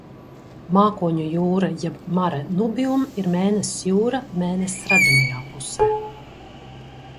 Mākoņu jūra jeb Mare Nubium ir Mēness jūra Mēness redzamajā pusē.